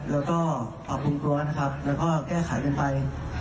แล้วก็ปรับปรุงกลัวนะครับแล้วก็แก้ไขกันไป